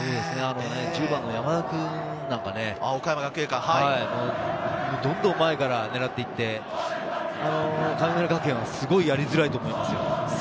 １０番の山田君、どんどん前から狙っていって、神村学園はすごいやりづらいと思いますよ。